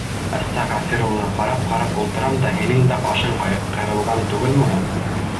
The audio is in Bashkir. — Әстәғәфирулла, ҡарап-ҡарап ултырам да, һинең дә ҡашың ҡырылған түгелме һуң?